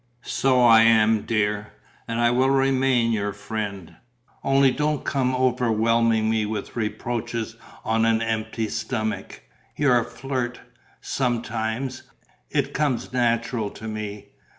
"So I am, dear, and I will remain your friend. Only don't come overwhelming me with reproaches on an empty stomach!" "You're a flirt." "Sometimes. It comes natural to me.